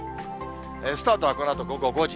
スタートはこのあと午後５時。